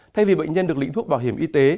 thay vì bệnh nhân được lĩnh thuốc bảo hiểm y tế